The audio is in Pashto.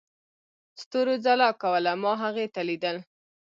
ستورو ځلا کوله، ما هغې ته ليدل.